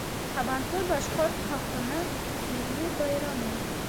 Һабантуй башҡорт халҡының милли байрамы